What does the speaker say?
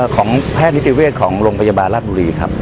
ของแพทย์นิติเวชของโรงพยาบาลราชบุรีครับ